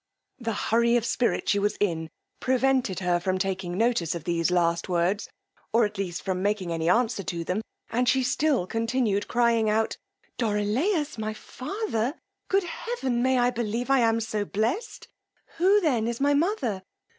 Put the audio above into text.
The hurry of spirit she was in, prevented her from taking notice of these last words, or at least from making any answer to them, and she still continued crying out, Dorilaus, my father! Good heaven! may I believe I am so blessed? Who then is my mother!